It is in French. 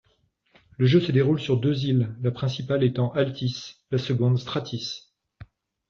Le jeu se déroule sur deux îles, la principale étant Altis, la seconde Stratis.